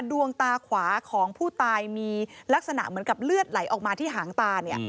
ดวงตาขวาของผู้ตายมีลักษณะเหมือนกับเลือดไหลออกมาที่หางตาเนี่ย